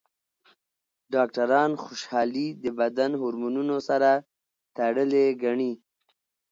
ډاکټران خوشحالي د بدن هورمونونو سره تړلې ګڼي.